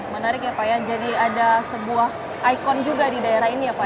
menarik ya pak ya jadi ada sebuah ikon juga di daerah ini ya pak